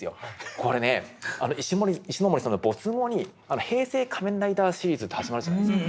これね石森さんの没後に平成仮面ライダーシリーズって始まるじゃないですか。